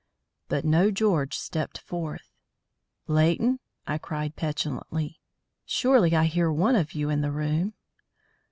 But no George stepped forth. "Leighton?" I cried petulantly. "Surely I hear one of you in the room."